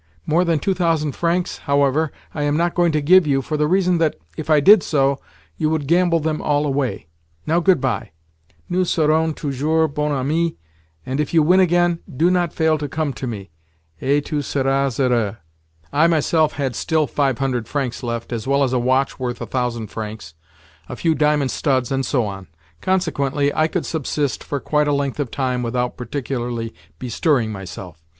More than two thousand francs, however, I am not going to give you, for the reason that, if I did so, you would gamble them all away. Now good bye. Nous serons toujours bons amis, and if you win again, do not fail to come to me, et tu seras heureux." I myself had still five hundred francs left, as well as a watch worth a thousand francs, a few diamond studs, and so on. Consequently, I could subsist for quite a length of time without particularly bestirring myself.